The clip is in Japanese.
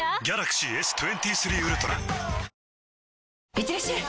いってらっしゃい！